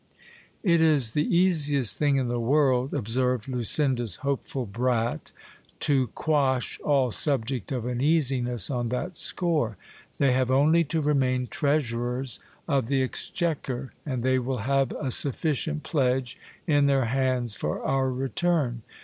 It is the easiest thing in the world, observed Lucinda's hopeful brat, to quash all subject of uneasiness on that score: they have only to remain treasurers of GIL BLAS. the exchequer, and they will have a sufficient pledge in their hands for our re turn.